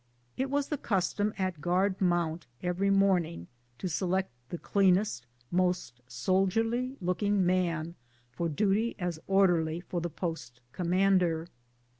It was the custom at guard mount every morning to select the cleanest, most soldierly looking man for duty as orderly for the post commander.